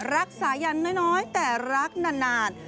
รักษายันน้อยแต่รักนาน